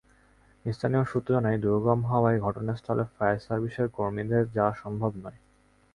স্থানীয় সূত্র জানায়, দুর্গম হওয়ায় ঘটনাস্থলে ফায়ার সার্ভিসের কর্মীদের যাওয়া সম্ভব নয়।